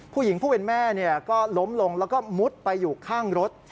ผู้หญิงผู้เป็นแม่ก็ล้มลงแล้วก็มุดไปอยู่ข้างรถ